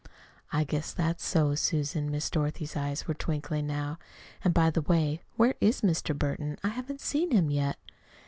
"I guess that's so, Susan." Miss Dorothy's eyes were twinkling now. "And, by the way, where is Mr. Burton? I haven't seen him yet."